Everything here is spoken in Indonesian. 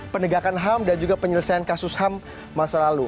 penegakan ham dan juga penyelesaian kasus ham masa lalu